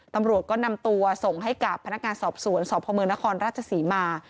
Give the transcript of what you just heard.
ตำรวจก็นำตัวส่งให้กับพนักงานสอบสวนสพมนครราชศรีมา